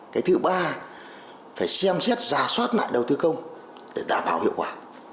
cái thứ ba phải xem xét giả soát lại đầu tư công để đảm bảo hiệu quả